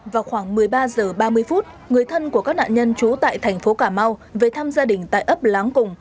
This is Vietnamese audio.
vào khoảng một mươi ba h ba mươi phút người thân của các nạn nhân trú tại thành phố cà mau về thăm gia đình tại ấp láng cùng